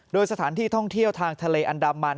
โดยสถานที่ท่องเที่ยวทางทะเลอันดามัน